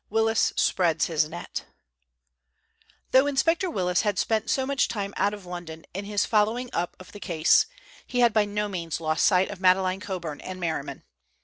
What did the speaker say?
WILLIS SPREADS HIS NET Though Inspector Willis had spent so much time out of London in his following up of the case, he had by no means lost sight of Madeleine Coburn and Merriman.